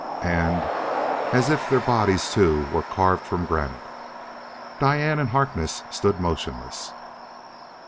And, as if their bodies, too, were carved from granite, Diane and Harkness stood motionless.